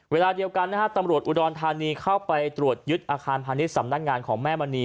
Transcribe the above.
เวลาเดียวกันนะฮะตำรวจอุดรธานีเข้าไปตรวจยึดอาคารพาณิชย์สำนักงานของแม่มณี